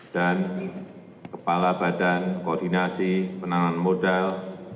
dan kepala badan koordinasi penanaman modal